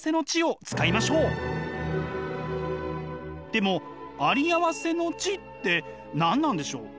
でもあり合わせの知って何なんでしょう？